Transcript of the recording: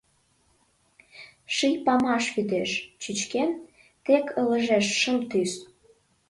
Ший памаш вӱдеш, чӱчкен, тек ылыжеш шым тӱс.